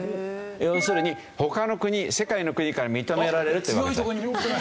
要するに他の国世界の国から認められるってわけです。